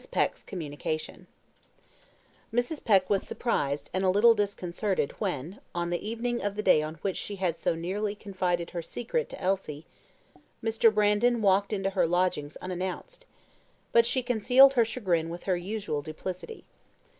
Peck's Communication Mrs. Peck was surprised and a little disconcerted when, on the evening of the day on which she had so nearly confided her secret to Elsie, Mr. Brandon walked into her lodgings unannounced; but she concealed her chagrin with her usual duplicity.